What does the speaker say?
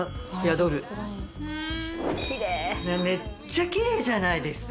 めっちゃ奇麗じゃないですか。